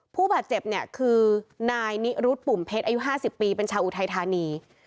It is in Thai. ผู้บาดเจ็บเนี่ยคือนายนิรุธปุ่มเพชรอายุ๕๐ปีเป็นชาวอุทัยธานี